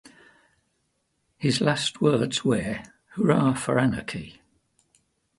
His last words were, Hurrah for Anarchy!